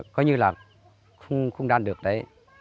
coi như là không đan được đấy